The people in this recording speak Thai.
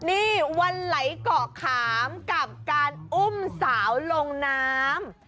นี่วันไหลเกาะขามกับการอุ้มสาวลงน้ำ